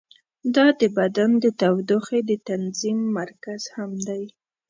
دا د بدن د تودوخې د تنظیم مرکز هم دی.